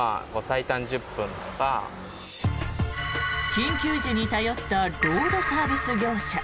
緊急時に頼ったロードサービス業者。